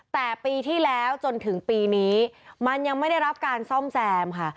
แต่ปีที่แล้วจนถึงปีนี้มันยังไม่ได้รับการซ่อมแซมค่ะ